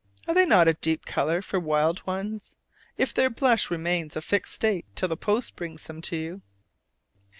Are they not a deep color for wild ones? if their blush remains a fixed state till the post brings them to you.